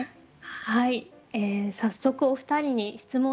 早速お二人に質問です。